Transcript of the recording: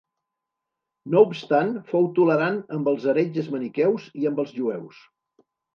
No obstant fou tolerant amb els heretges maniqueus i amb els jueus.